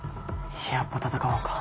やっぱ戦うんか。